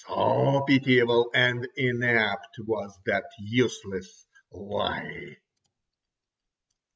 So pitiable and inept was that useless lie.